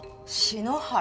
篠原。